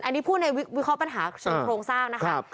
อันนี้พูดในวิเคราะห์ปัญหาเชิงโครงสร้างนะคะ